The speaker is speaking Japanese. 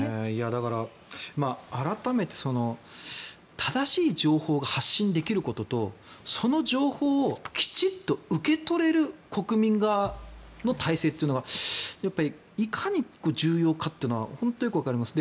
だから、改めて正しい情報が発信できることとその情報をきちんと受け取れる国民の体制というのがやっぱりいかに重要かというのが本当によくわかります。